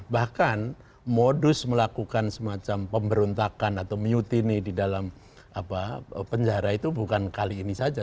bahkan modus melakukan semacam pemberontakan atau mutini di dalam penjara itu bukan kali ini saja